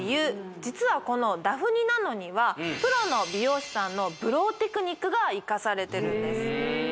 実はこのダフニｎａｎｏにはプロの美容師さんのブローテクニックが生かされてるんです